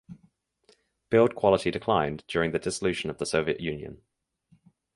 Build quality declined during the dissolution of the Soviet Union.